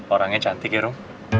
orangnya cantik ya rom